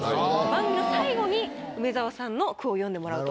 番組の最後に梅沢さんの句を詠んでもらうと。